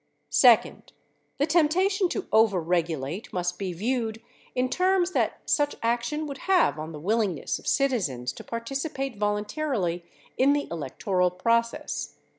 Second, the temptation to overregulate must be viewed in terms that such action would have on the willingness of citizens to participate voluntarily in the electoral process.